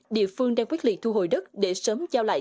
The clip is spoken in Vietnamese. địa phương đang quyết liệt thu hồi đất để sớm giao lại